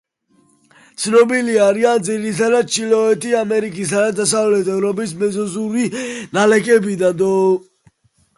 ცნობილი არიან ძირითადად ჩრდილოეთი ამერიკისა და დასავლეთ ევროპის მეზოზოური ნალექებიდან.